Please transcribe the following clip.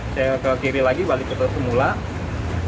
saya ke kiri lagi balik ke semula